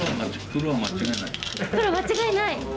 プロ間違いない！